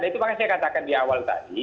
itu yang saya katakan di awal tadi